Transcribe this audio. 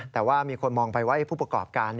แต่ว่ามีคนมองไปว่าผู้ประกอบการ